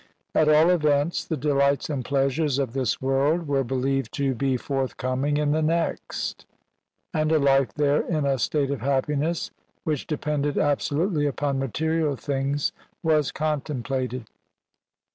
At all events the de lights and pleasures of this world were believed to be forthcoming in the next, and a life there in a state of happiness which depended absolutely upon material things was contemplated.